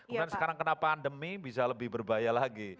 kemudian sekarang kenapa pandemi bisa lebih berbahaya lagi